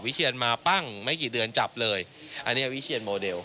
เชียนมาปั้งไม่กี่เดือนจับเลยอันนี้วิเชียนโมเดล